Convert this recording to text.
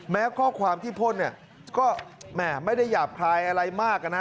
ข้อความที่พ่นเนี่ยก็แหมไม่ได้หยาบคลายอะไรมากนะ